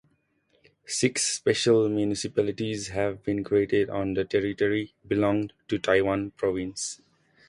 Six special municipalities have been created on the territory belonged to Taiwan Province.